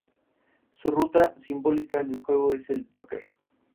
Es uno de los símbolos de la ciudad.